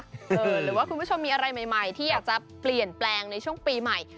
หรือว่าคุณผู้ชมมีอะไรใหม่ที่อยากจะเปลี่ยนแปลงในช่วงปีใหม่